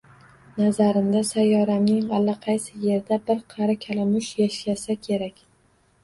Nazarimda, sayyoramning allaqaysi yerida bir qari kalamush yashasa kerak.